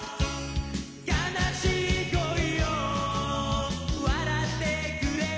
「悲しい恋を笑ってくれよ」